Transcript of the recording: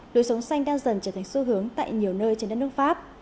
lối sống xanh đang dần trở thành xu hướng tại nhiều nơi trên đất nước pháp